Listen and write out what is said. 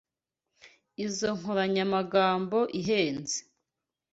Izoi nkoranyamagambo ihenze.